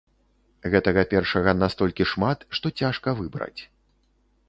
Гэтага першага настолькі шмат, што цяжка выбраць.